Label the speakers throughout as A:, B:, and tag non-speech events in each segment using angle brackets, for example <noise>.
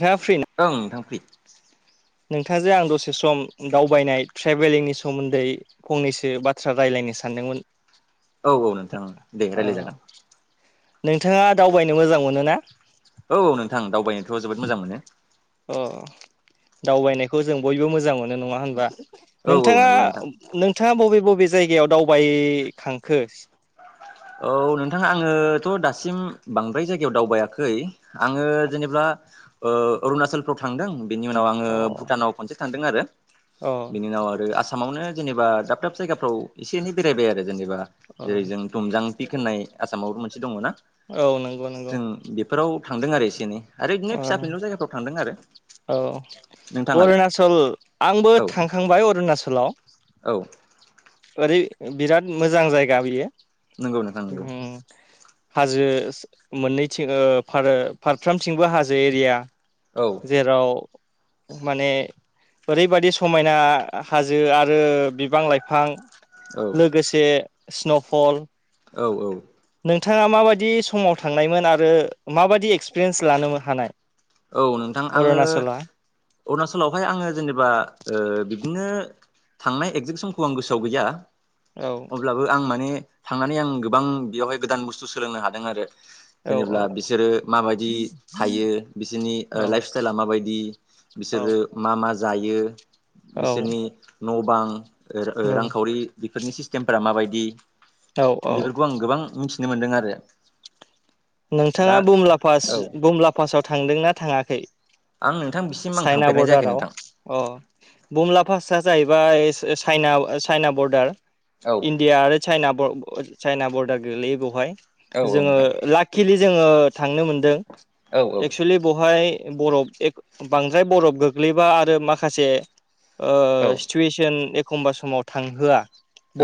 A: नोंथाङा फ्रि ना
B: ओं नोंथां फ्रि
A: नोंथांजों आं दसे सम दावबायनाय ट्रेभेलिंनि सोमोन्दै फंनैसो बाथ्रा रायलायनो सानदोंमोन।
B: औ औ नोंथां दे
A: ओ
B: रायलाय जागोन।
A: नोंथाङा दावबायनो मोजां मोनो ना?
B: औ नोंथां दावबायनोथ' जोबोद मोजां मोनो।
A: अ दावबायनायखौ जों बयबो मोजां मोनो नङा होनबा
B: औ औ
A: नोंथाङा
B: नंगौ नोंथां
A: नोंथाङा बबे बबे जायगायाव दावबायखांखो?
B: औ नोंथाङा आङोथ' दासिम बांद्राय जायगायाव दावबायाखै आङो जेनेबा अरुणाचलफ्राव थांदों बेनि उनाव आङो
A: अ
B: भुटानाव खनसे थांदों आरो
A: अ
B: बिनि उनाव आरो आसामावनो जेनेबा दाब दाब जायगाफ्राव एसे एनै बेरायबाय आरो जेनेबा
A: अ
B: जेरै जों दुमजां पिक होननाय आसामावबो मोनसे दङना
A: औ नंगौ नंगौ
B: जों बे बेफोराव थांदों आरो एसे एनै आरो बिदिनो
A: अ
B: फिसा फिनलु जायगाफ्राव थांदों आरो
A: औ
B: नोंथाङालाय
A: अरुणाचल आंबो
B: औ
A: थांखांबाय अरुणाचलाव
B: औ
A: ओरै बिराद मोजां जायगा बियो
B: नंगौ नोंथां नंगौ
A: उम हाजो मोननैथिं फारफ्रामथिंबो हाजो एरिया
B: औ
A: जेराव माने ओरैबादि समायना हाजो आरो बिबां लाइ फां
B: औ
A: लोगोसे स्न'फल
B: औ औ
A: नोंथाङा माबायदि समाव थांनायमोन आरो माबायदि एक्सपिरियेन्स लानो हानाय
B: औ नोंथां आङो
A: अरुणाचला
B: अरुणाचलावहाय आङो जेनेबा बिब्दिनो थांनाय एगजेक्ट समखौ आं गोसोआव गैया
A: औ
B: अब्लाबो आं माने थांनानै आं गोबां बेयावहाय गोदान बुस्थु सोलोंनो हादों आरो
A: औ
B: जेनेब्ला बिसोरो माबायदि थायो। बिसोरनि
A: औ
B: लाइफ स्टाइला माबायदि
A: औ
B: बिसोरो मा मा जायो।
A: औ
B: बिसोरनि न' बां रांखावरि बेफोरनि सिस्टेमफोरा माबायदि
A: औ औ
B: बेफोरखौ आं गोबां मिथिनो मोनदों आरो दा
A: नोंथाङा बुमला पास
B: औ
A: बमला पासाव थांदोंना थाङाखै?
B: आं नोंथां बिसिम आं
A: चाइना
B: थांफेरनाय जायाखै
A: बरडाराव
B: नोंथां
A: अ बुमला फासा जाहैबाय चाइना चाइना बर्डार
B: औ
A: इण्डिया आरो चाइना चाइना बरडार गोग्लैयो बेवहाय
B: औ औ
A: जोङो
B: नोंथां
A: लाकिलि जोङो थांनो मोनदों
B: औ
A: एक्सुवेलि बहाय बरफ एक बांद्राय बरफ गोग्लैबा आरो माखासे सिटुवेसन एखमबा समाव थांहोआ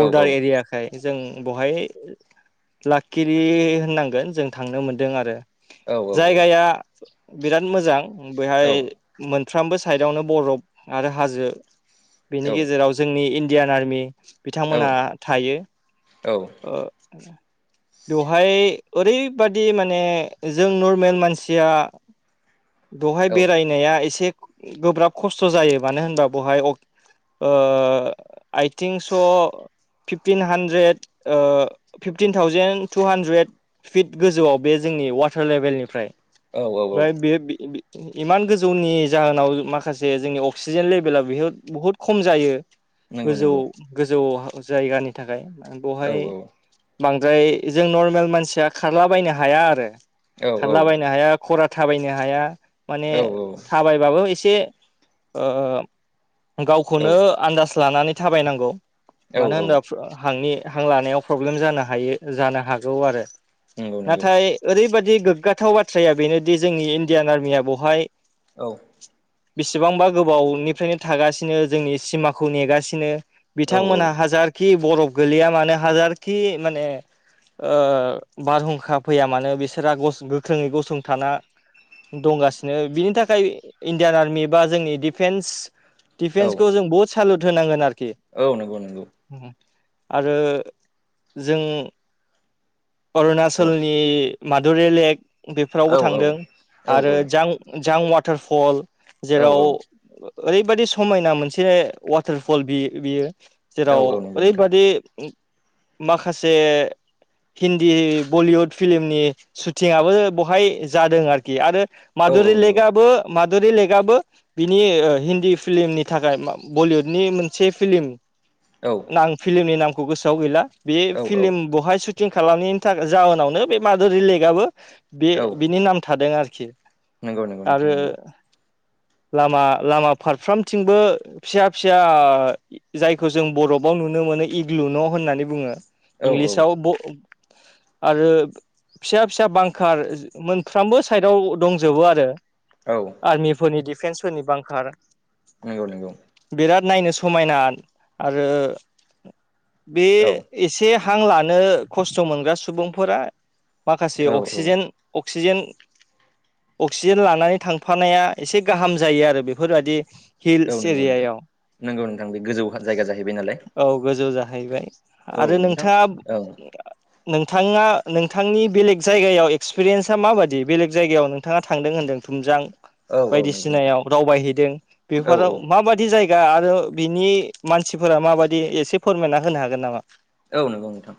B: औ
A: एरियाखाय जों बहाय लाखिलि होननांगोन जों थांनो मोनदों आरो
B: औ
A: जायगाया बिराद मोजां बेहाय मोन फ्रामबो साइडआवनो बरफ आरो हाजो बेनि गेजेराव जोंनि इण्डियान आर्मि बिथांमोना थायो। बेवहाय ओरैबादि माने जों नर्मेल मानसिया बेवहाय
B: औ
A: बेरायनाया एसे गोब्राब खस्थ' जायो मानो होनबा बहाय आइथिं स' fifteen hundred fifteen thousand two hundred feet गोजौआव बे जों जोंनि वाटार लेभेलनिफ्राय
B: औ औ औ
A: ओमफ्राय बे इमान गोजौनि जाहोनाव माखासे जोंनि अक्सिजेन लेभेला बेहे बहुद खम जायो।
B: नंगौ
A: गोजौ
B: नंगौ
A: गोजौ जायगानि थाखाय
B: औ
A: बेवहाय बांद्राय जों नरमेल मानसिया खारलाबायनो हाया आरो
B: औ औ
A: खारलाबायनो हाया। खरा थाबायनो हाया माने
B: औ
A: थाबायबाबो एसे गावखौनो आन्दाज लानानै थाबायनांगौ मानो
B: औ औ
A: होनबा हांनि हां लानायाव प्रब्लेम जानो हायो जानो हागौ आरो
B: नंगौ नंगौ औ नंगौ
A: नाथाय ओरैबा दि गोग्गाथाव बाथ्राया बेनोदि जोंनि इण्डियान आर्मिया बहाय
B: औ
A: बेसेबांबा गोबावनिफ्रायनो थागासिनो जोंनि सिमाखौ नेगासिनो।
B: औ
A: बिथांमोनहा हाजारखि बरफ गोलैया मानो हाजारखि माने ओ बारहुंखा फैया मानो बिसोरहा गस गोख्रोङै गसंथाना दंगासिनो। बिनि थाखाय इण्डियान आर्मि बा जोंनि डिफेन्स
B: औ
A: दिफेन्सखौ जों बहुत सालुत होनांगोन आरो।
B: औ नंगौ नंगौ।
A: आरो जों अरुणाचलनि मादुरि लेक बेफोरावबो थांदों आरो जां जां वाटारफल
B: औ
A: जेराव ओरैबादि समायना मोनसे वाटारफल बि-बियो जेराव ओरैबादि माखासे हिन्दी बलिउड फिलिमनि सुटिंबो बहाय जादों आरोखि आरो माधुरि
B: नंगौ औ
A: लेकआबो माध धुरि लेकआबो बिनि हिन्दी फिल्मनि थाखाय, बलिउडनि मोनसे फिलिम
B: औ औ
A: आं फिलिमनि नामखौ गोसोआव गैला। बे फिलिम बहाय सु टिं खालामनायनि था जाहोनावनो बे मादुरि लेकआबो बे बिनि नाम थादों आरोखि।
B: नंगौ नंगौ नोंथां
A: आरो
B: नंगौ।
A: लामा लामा फारफ्रामथिंबो फिसा फिसा जायखौ जों बरफाव नुनो मोनो इग्लु न' होननानै बुङो
B: औ
A: इंलिसाव
B: औ
A: ब आरो फिसा फिसा बांखार मोनफ्रामबो साइदआव दंजोबो आरो।
B: औ
A: आर्मिफोरनि डिफेन्सफोरनि बांखार।
B: नंगौ नंगौ।
A: बिराद नायनो समायना आरो बे
B: औ
A: एसे हां लानो खस्थ' मोनग्रा सुबुंफोरा माखासे
B: औ औ
A: अक्सिजेन अक सिजेन अक्सिजेन लानानै थांफानाया एसे गाहाम जायो आरो बेफोरबादि हिल्स एरियायाव।
B: नोंगौ नोंथां बे गोजौ जायगा जाहैबाय नालाय।
A: औ गोजौ जाहैबाय
B: औ
A: आरो
B: नोंथां औ
A: नोंथाङा नोंथाङा नोंथांनि बेलेग जायगायाव एक्सपिरियेन्सा माबायदि बेलेग जायगायाव नोंथाङा थांदों होन दों थुमजां
B: औ औ नंगौ नोंथां
A: बायदिसिनायाव दावबायहैदों
B: औ औ
A: बेफोराव माबायदि जाय गा आरो बिनि मानसिफोरा माबादि एसे फोरमायना होनो हागोन नामा?
B: औ नंगौ नोंथां।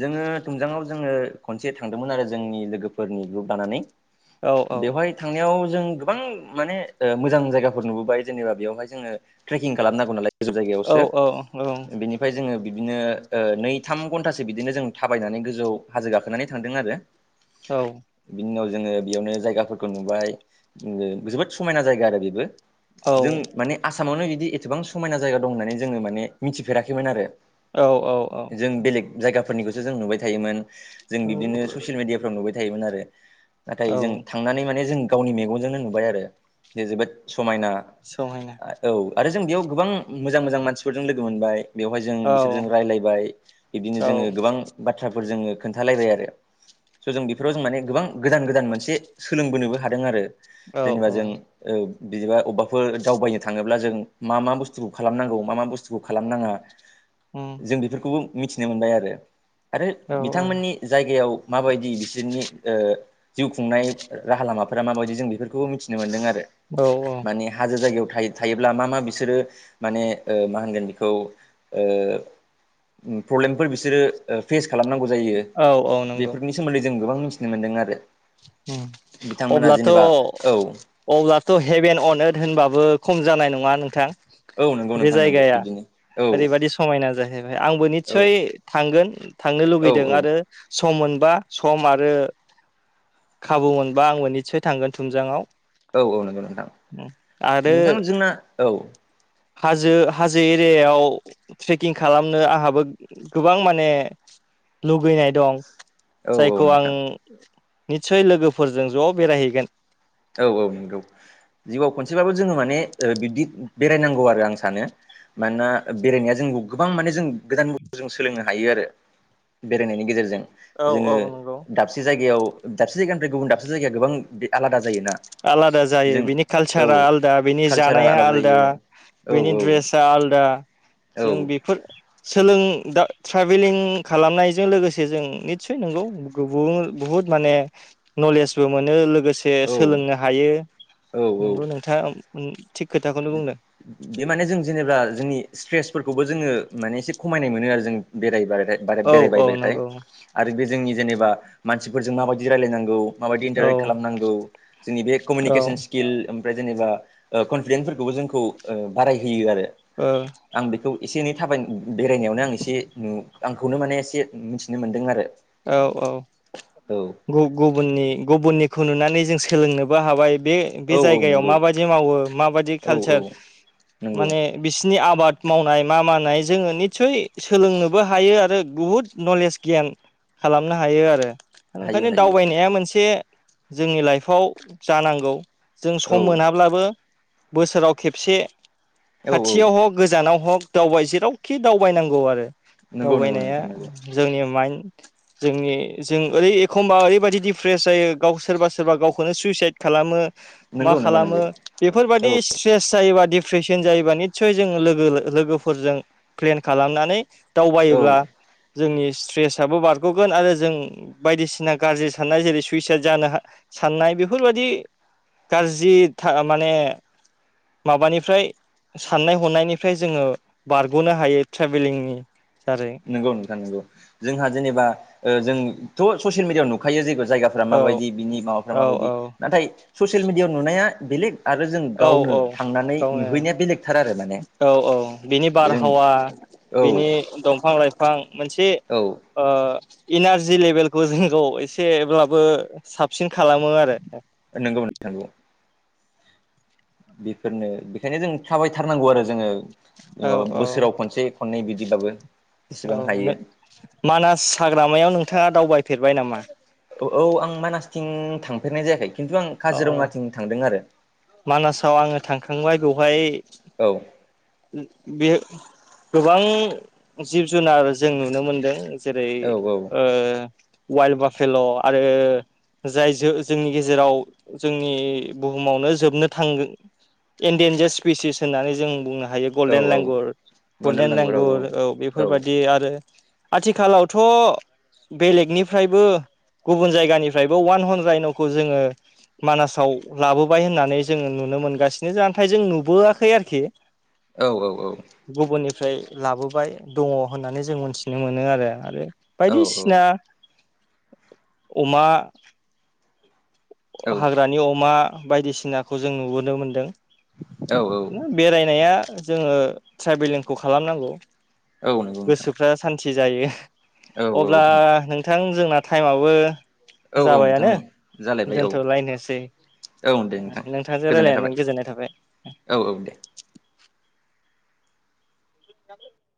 B: जोङो थुमजाङाव जोङो खनसे थांदोंमोन आरो जोंनि लोगोफोरनि ग्रुप लानानै।
A: औ
B: बेवहाय थांनायाव जों गोबां माने ओ मोजां जायाफोर नुबोबाय जेनेबा बेयावहाय जोंओ त्रेकिं खालामनांगौ नालाय। गोजौ
A: औ
B: जायगायावसो,
A: औ
B: बेनिफाय जोङो बिब्दिनो नै थाम घन्टासो बिदिनो जों थाबायनानै गोजौ हाजो गाखोनानै थांदों आरो।
A: औ।
B: बिनि उनाव जोङो बेयावनो जायगाफोरखौ नुबाय, जोबोद समायना जायगा आरो बेबो।
A: औ
B: जों माने आसामावनो इदि एथ'बां समायना जायगा दं होननानै जोङो माने मिथिफेराखैमोन आरो।
A: औ। औ
B: जों बेलेग जायगाफोरनिखौसो जों नुबाय थायोमोन। जों बिबदिनो
A: औ
B: ससियेल मिडियाफ्राव नुबाय थायामोन आरो। नाथाइ जों
A: औ
B: थांनानै जों गावनि मेगन जोंनो नुबाय आरो जे जोबोद समायना।
A: सहायना
B: औ आरो जों बेयाव गोबां मोजां मोजां मानसिफोरजों लोगो मोनबाय। बेवहाय जों
A: औ
B: बिसोरजों रायलायबाय। बिब्दिनो जोङो
A: औ
B: गोबां बाथ्राफोर जोङो खोन्थालायबाय आरो। स' जों बेफोराव जों माने गोबां गोदान गोदान मोनसे सोलोंबोनोबो हादों आरो।
A: औ
B: जेनेबा
A: औ
B: जों ओ बिदिबा अबबाफोर दावबायनो थाङोब्ला जों मा मा बुस्थुखौ खालामनांगौ, मा मा बुस्थुखौ खालामनाङा,
A: उम।
B: जों बेफोरखौबो मिथिनो मोनबाय आरो। आरो
A: औ
B: बिथांमोननि जायगायाव माबायदि बिसोरनि ओ जिउ खुंनाय राहा लामाफोरा माबायदि जों बेफोरखौबो मिथिनो मोन्दों आरो।
A: औ
B: माने हाजो जायायाव थायोब्ला मा मा बिसोरो माने ओ मा होनगोन बेखौ ओ प्रब्लेमफोर बिसोरो फेस खालामनांगौ जायो
A: औ औ नंगौ
B: बेफोरनि सोमोन्दै जों गोबां मिथिनो मोन्दों आरो
A: उम
B: बिथांमोना
A: अब्लाथ'
B: जेनेबा औ
A: अब्लाथ' हेभेन अनद होनबाबो खम जानाय नङा नोंथां?
B: औ नंगौ नों थांनांगौ बिदिनो। औ
A: ओरैबायाददि समायना जाहैबायबाय आंबो
B: औ
A: निस्सय थांगोन थांनो
B: औ
A: लुुबैदों आरो
B: औ
A: सम मोनबा सम आरो खाबु मोनबा आंबो निसय थांगोन थुमजांङाआव
B: औ-औ नंगौ नोंथां
A: आरो
B: नोंथां जोंना औ
A: हाजो हाजो एरियायाव ट्रेकिं खालामनो आंहाबो गोबां माने लुगैनाय दं
B: औ औ
A: जायखौ आं
B: नोंथां
A: निसय लोगोफोरजों ज' बेरायहैगोन
B: औ-औ नंगौ जिउआव खनसेबाबो जोङो माने बिब्दि बेरायनांगौ आरो आं सानो मानोना बेरायनाया जों गोबां माने जों गोदान बुस्थु जों सोलोंनो हायो आरो बेरायनायनि गेजेरजों।
A: औ
B: जोङो
A: औ नंगौ
B: दाबसे जायगायाव दाबसे जायगानिफ्राय गुबुन दाबसे जायगाया गोबां आलादा जायोना
A: आलादा जायो
B: जों
A: बिनि
B: औ
A: कालसारा आलादा बिनि
B: कालसारा
A: जानाया आलादा
B: जायो औ
A: बेनि
B: औ
A: ड्रेसा आलदा जों बेफोर सोलों ट्रेभेलिं खालामनायजों लोगोसे जों निसय नंगौ बुहुद माने नलेजबो मोनो लोगोसे सोलोंनो हायो।
B: औ-औ
A: नंगौ नोंथाङा थिग खोथाखौनो बुंदों
B: बे माने जों जेनेबा जोंनि स्ट्रेस फोरखौबो जोङो माने एसे खमायनाय मोनो आरो जों बेराय बार
A: औ औ
B: बेरायबायबाथाय
A: नंगौ
B: आरो बे जोंनि जेनेबा मानसिफोरजों माबायदि रायलायनांगौ माबायदि
A: औ
B: इन्टारेक्ट खालामनांगौ जोंनि बे
A: औ
B: कमिउनिकेसन स्किल ओमफ्राय जेनेबा कनफिडेन्सफोरखौबो जोंखौ ओ बारायहोयो आरो
A: ओ।
B: आं बेखौ एसे एनै थाबाय बेरायनायावनो आं एसे नु आंखौनो माने एसे मिथिनो मोन्दों आरो
A: औ-औ
B: औ
A: गुबुननि गुबुननिखौ नुनानै जों सोलोंनोबो हाबाय बे बे
B: औ औ
A: जायगायाव
B: नंगौ
A: माबायदि मावो माबाददि
B: औ औ
A: कालचार
B: नंगौ
A: माने बिसिनि आबाद बाद मावनाय मा मावानाय जोङो निसय सोलोंनोबो हायो आरो बहुद नलेज गियान खालामनो हायो आरो
B: हायो
A: ओंखायनो
B: हायो
A: दावबायनाया मोनसे जोंनि लाइफआव जानांगौ जों
B: औ
A: सम मोनाब्लाबो बोसोराव खेबसे
B: औ औ
A: खाथियाव हक गोजानाव हक दावबाय जेरावखि दावबायनांगौ आरो
B: नंगौ नंगौ
A: दावबायनाया
B: नोंथां नंगौ
A: जोंनि माइन जोंनि जों ओरै एखमबा ओरैबायाददि दिडप्रेस जायो गाव सोरबा सोरबा गावखौनो सुइसाइद खालामो। मा
B: नंगौ नंगौ
A: खालामो
B: नंगौ
A: बेफोरबाय दि
B: औ
A: स्ट्रेस जायोबा डप्रेसन जायोबा निसय जोङो लोगो लोगोफोरजों प्लेन खालामनानै दावबायोब्ला
B: औ
A: जोंनि स्ट्रेस बारग'गोन आरो जों बायदिसिना गाज्रि साननाय जेरै सुइसाइद जानो साननाय बेफोरबायदि गाज्रि माने माबानिफ्राय साननाय हनायनिफ्राय जोङो बारग'नो हायो। ट्रेभेलिंनि दारै
B: नंगौ नोंथां नोंगौ जोंहा जेनेबा ओ जोंथ' ससियेल मिडियाआव नुखायो जेुन जायगाफ्रा
A: औ
B: माबायदि बिनि माबाफ्रा
A: औ
B: माबायदि
A: औ
B: नाथाय ससियेल मेडियाआव नुनाया बेलेग आरो जों
A: औ
B: गावनो
A: औ
B: थांनानै नुहैनाया
A: गावनो
B: बेलेगथार आरो माने
A: औ औ बिनि
B: जों
A: बारहावा
B: औ
A: बिनि
B: औ
A: दंफां लाइफां मोनसे इनारजि लेभेलखौ जोंखौ एसेब्लाबो साबसिन खालामो आरो
B: नोंगौ नोंथा‌ नोंगौ। बेफोरनो बेखायनो जों थाबायथारनांगौ आरो जोङो
A: औ
B: <unintelligible> बोसोराव
A: औ
B: खनसे खननै बिदिबाबो
A: औ
B: बेसेबां हायो
A: नों मानास हाग्रामायाव नोंथाङा दावबायफेरबाय नामा?
B: औ आं मानासथिं थांफेरनाय जायाखै। खिन्थु आं
A: अ
B: काजिरङाथिं थांदों आरो
A: मानासाव आंङो थांखांबाय बेवहाय
B: औ।
A: बे गोबां जिब जुनार जों नुनो मोनदों। जेरै
B: औ
A: ओ वाइल्ड बाफेल' आरो जाय ज-जोंनि गेजेराव जोंनि बुहुमावनो जोबनो थांगो इनडेेनजस स्पिसिस होननानै जों बुंनो हायो
B: औ
A: गलडेन
B: औ
A: लेंगुर
B: गनदाल
A: गलडेन
B: दांगुर
A: लेंगुर औ
B: औ
A: बेफोरबायदि आरो। आथिखालावथ' बेलेगनिफ्रायबो गुबुन जायगानिफ्रायबो वान हन्रायन'खौ जोङो। मानासाव लाबोबाय होननानै जोङो नुनो मोनगासिनो नाथाय जों नुबोआखै आरोखि।
B: औ
A: गुबुननिफ्राय लाबोबाय दङ होननानै जों मोनथिनो मोनो आरो आरो
B: औ
A: बायदिसिना अमा
B: औ
A: हाग्रानि अमा बायदिसिनाखौ जों नुबोनो मोनदों।
B: औ
A: बेरायनाया जोङो ट्रेभेलिंखौ खालामनांगौ।
B: औ नंगौ नोंथां।
A: मिथि जायो
B: औ औ
A: अब्ला नोंथां जोंना टाइमाबो
B: औ औ नोंथां
A: जाबायानो
B: नै जालायबाय औ
A: दोनथलायनोसै।
B: औ दे नोंथां
A: नोंथांजों
B: गोजोननाय थाबाय
A: रायलायनानै गोजोननाय थाबाय।
B: औ औ दे
A: <unintelligible>